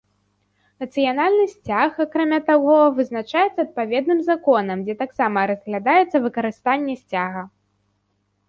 Нацыянальны сцяг, акрамя таго, вызначаецца адпаведным законам, дзе таксама разглядаецца выкарыстанне сцяга.